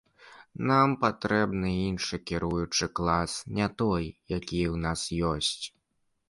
Нам патрэбны іншы кіруючы клас, не той, які ў нас ёсць.